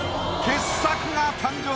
傑作が誕生！